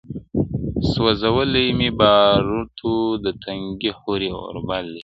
سوځلی مي باروتو د تنکۍ حوري اوربل دی -